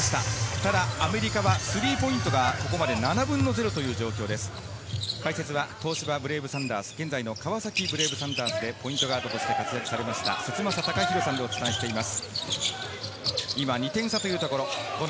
ただアメリカはスリーポイントがここまで７分の０という状況、解説は東芝ブレイブサンダース、現在の川崎ブレイブサンダースでポイントガードとして活躍されました節政さんとお送りしてまいります。